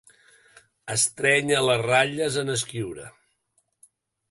Estrènyer les ratlles en escriure.